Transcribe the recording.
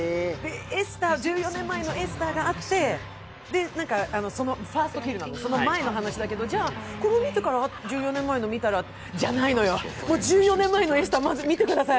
１４年前の「エスター」があって、そのファースト・キル、その前の話なんだけど、このヒットから１４年前のを見たらじゃないのよ、まず１４年前の「エスター」を見てください。